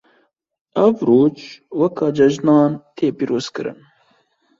Ev roj weke cejnan tên pîrozkirin.